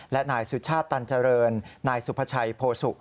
และนายสุชาติตันเจริญนายสุภาชัยโพสุ